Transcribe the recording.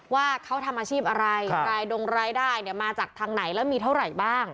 ว่าเขาทำอาชีพอะไรรายดงรายได้เนี่ยมาจากทางไหนแล้วมีเท่าไหร่บ้าง